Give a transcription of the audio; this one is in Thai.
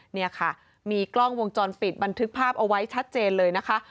เนี่ยค่ะมีกล้องวงจรปิดบันทึกภาพเอาไว้ชัดเจนเลยนะคะ